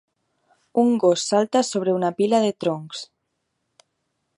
Un gos salta sobre una pila de troncs.